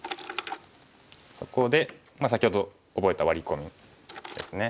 そこで先ほど覚えたワリ込みですね。